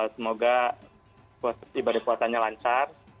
semoga ibadah puasanya lancar